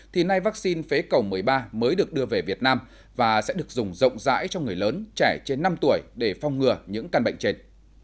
thì nay vaccine phế cầu một mươi ba mới được đưa về việt nam và sẽ được dùng rộng rãi cho người lớn trẻ trên năm tuổi để phong ngừa những căn bệnh trên